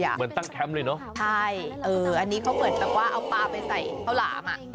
เหมือนตั้งแคมป์เลยเนอะใช่เอออันนี้เขาเหมือนแบบว่าเอาปลาไปใส่ข้าวหลามอ่ะ